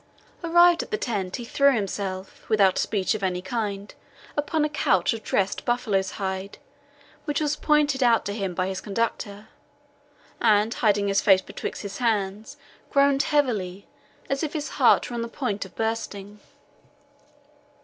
Arrived at the tent, he threw himself, without speech of any kind, upon a couch of dressed buffalo's hide, which was pointed out to him by his conductor, and hiding his face betwixt his hands, groaned heavily, as if his heart were on the point of bursting.